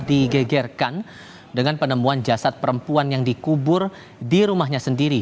digegerkan dengan penemuan jasad perempuan yang dikubur di rumahnya sendiri